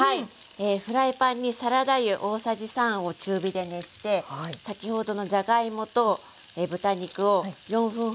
フライパンにサラダ油大さじ３を中火で熱して先ほどのじゃがいもと豚肉を４分ほど揚げ焼きにしました。